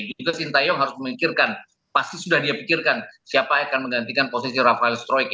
juga sintayong harus memikirkan pasti sudah dia pikirkan siapa yang akan menggantikan posisi rafael stroke